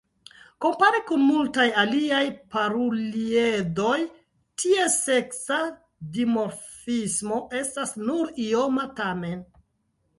Kompare kun multaj aliaj paruliedoj, ties seksa dimorfismo estas nur ioma tamen.